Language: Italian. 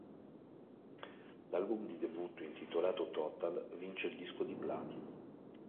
L'album di debutto, intitolato "Total", vince il disco di platino.